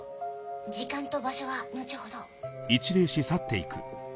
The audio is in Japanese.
時間と場所は後ほど。